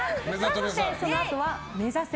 そして、そのあとは目指せ！